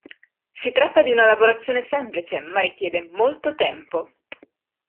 Si tratta di una lavorazione semplice ma richiedente molto tempo.